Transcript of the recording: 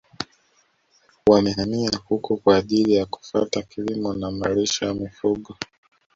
Wamehamia huko kwa ajili ya kufata kilimo na malisho ya mifugo